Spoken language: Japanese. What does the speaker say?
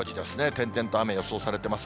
点々と雨、予想されてます。